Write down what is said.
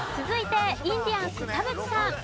続いてインディアンス田渕さん。